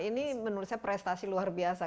ini menurut saya prestasi luar biasa